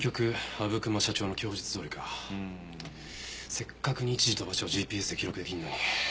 せっかく日時と場所がＧＰＳで記録できるのに。